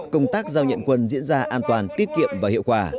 công tác giao nhận quân diễn ra an toàn tiết kiệm và hiệu quả